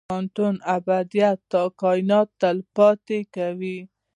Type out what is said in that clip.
د کوانټم ابدیت کائنات تل پاتې کوي.